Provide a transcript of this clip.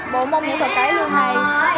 bộ môn nghệ thuật tài lưu này